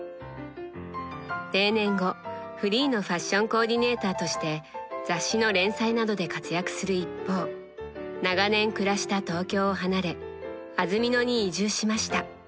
定年後フリーのファッションコーディネーターとして雑誌の連載などで活躍する一方長年暮らした東京を離れ安曇野に移住しました。